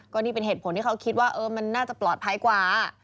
ก็นี่เป็นเหตุผลที่เขาคิดว่ามันน่าจะปลอดภัยกว่า